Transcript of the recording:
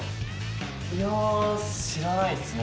いや知らないですね。